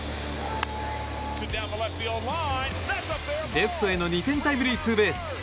レフトへの２点タイムリーツーベース。